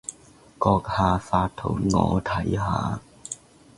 閣下發圖我睇下